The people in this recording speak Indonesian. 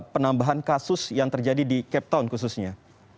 penambahan kasus yang terjadi di cape town khususnya